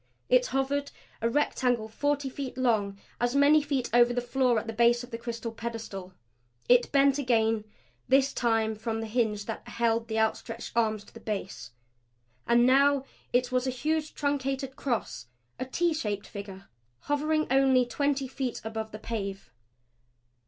It hovered, a rectangle forty feet long, as many feet over the floor at the base of the crystal pedestal. It bent again, this time from the hinge that held the outstretched arms to the base. And now it was a huge truncated cross, a T shaped figure, hovering only twenty feet above the pave.